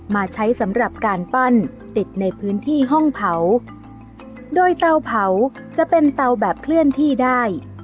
มาใช้สำหรับการปั้นติดในพื้นที่ห้องเผาโดยเตาเผาจะเป็นเตาแบบเคลื่อนที่ได้